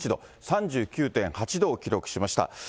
３９．８度を記録しました。